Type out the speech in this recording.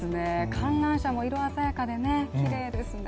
観覧車も色鮮やかできれいですね。